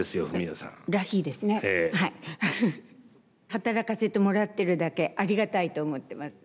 働かせてもらってるだけありがたいと思ってます。